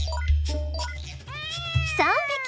３匹！